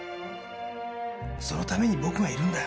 そのために僕がいるんだ。